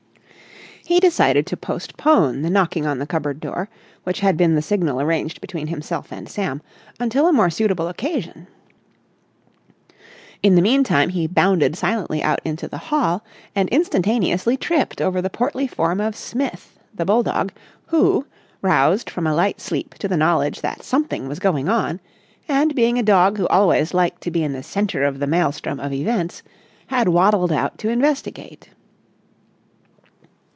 He decided to postpone the knocking on the cupboard door, which had been the signal arranged between himself and Sam, until a more suitable occasion. In the meantime he bounded silently out into the hall, and instantaneously tripped over the portly form of Smith, the bulldog, who, roused from a light sleep to the knowledge that something was going on, and being a dog who always liked to be in the centre of the maelstrom of events, had waddled out to investigate.